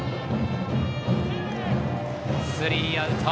スリーアウト。